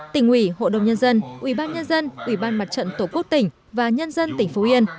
tỉnh ủy hội đồng nhân dân ủy ban nhân dân ủy ban mặt trận tổ quốc tỉnh và nhân dân tỉnh phú yên